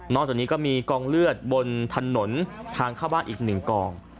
จากนี้ก็มีกองเลือดบนถนนทางเข้าบ้านอีกหนึ่งกอง